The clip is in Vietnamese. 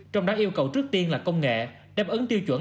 trong đó yêu cầu trước tiên là công nghệ đáp ứng tiêu chuẩn